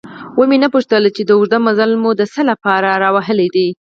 ومې نه پوښتل چې دا اوږد مزل مو د څه له پاره راوهلی دی؟